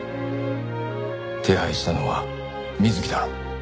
手配したのは水木だろ。